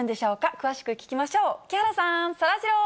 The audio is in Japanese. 詳しく聞きましょう。